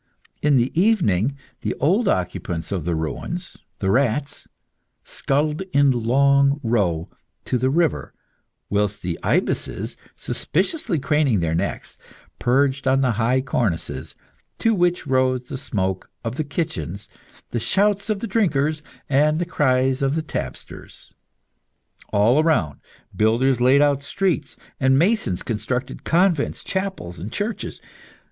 In the evening, the old occupants of the ruins, the rats, scuttled in a long row to the river, whilst the ibises, suspiciously craning their necks, perched on the high cornices, to which rose the smoke of the kitchens, the shouts of the drinkers, and the cries of the tapsters. All around, builders laid out streets, and masons constructed convents, chapels, and churches.